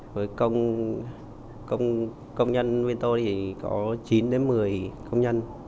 với công nhân chúng tôi có chín một mươi công nhân